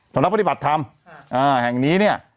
สำนักปฏิบัติธรรมแห่งนี้เนี่ย